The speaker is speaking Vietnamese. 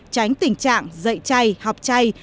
tránh tình trạng dạy chay học chay